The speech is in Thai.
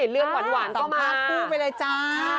เรื่องหวานก็มาต่อมาพูดไปเลยจ้ะเออ